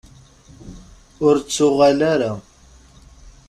Ur d-tuɣal ara.